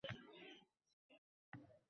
Va sizni o’ylayman shomu saharda